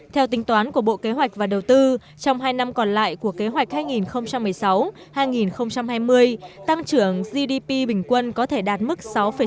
theo tính toán của bộ kế hoạch và đầu tư trong hai năm còn lại của kế hoạch hai nghìn một mươi sáu hai nghìn hai mươi tăng trưởng gdp bình quân có thể đạt mức sáu chín